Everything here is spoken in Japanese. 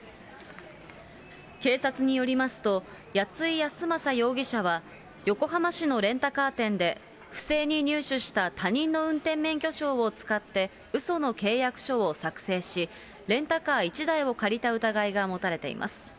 警察によりますと、谷井やすまさ容疑者は、横浜市のレンタカー店で、不正に入手した他人の運転免許証を使って、うその契約書を作成し、レンタカー１台を借りた疑いが持たれています。